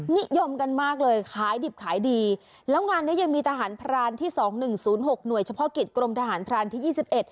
นิยมกันมากเลยขายดิบขายดีแล้วงานเนี้ยยังมีทหารพรานที่สองหนึ่งศูนย์หกหน่วยเฉพาะกิจกรมทหารพรานที่ยี่สิบเอ็ด